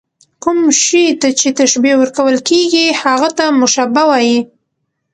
کوم شي ته چي تشبیه ورکول کېږي؛ هغه ته مشبه وايي.